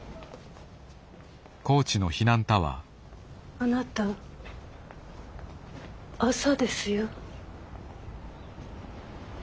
あなた朝ですよ。